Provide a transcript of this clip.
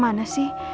masa kemana sih